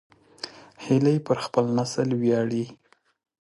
هیلۍ پر خپل نسل ویاړي